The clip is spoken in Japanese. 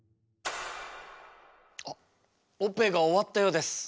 あっオペが終わったようです。